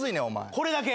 これだけ。